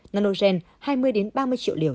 nanogen hai mươi ba mươi triệu liều